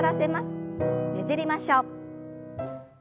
ねじりましょう。